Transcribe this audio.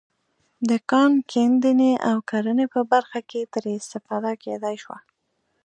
د کان کیندنې او کرنې په برخه کې ترې استفاده کېدای شوه.